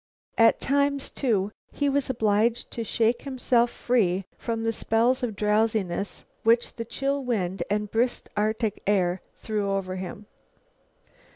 At times, too, he was obliged to shake himself free from the spells of drowsiness which the chill wind and brisk Arctic air threw over him.